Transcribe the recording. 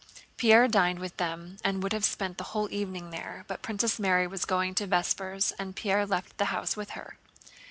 Pierre dined with them and would have spent the whole evening there, but Princess Mary was going to vespers and Pierre left the house with her.